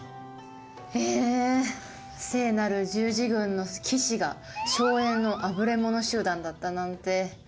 え聖なる十字軍の騎士が荘園のあぶれ者集団だったなんて。